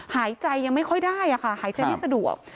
หายใจยังไม่ค่อยได้ค่ะหายใจไม่สะดวก